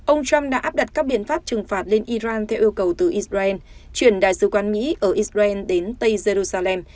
ông trump đã áp đặt các biện pháp trừng phạt lên iran theo yêu cầu từ israel chuyển đại sứ quán mỹ ở israel đến tây jerusalem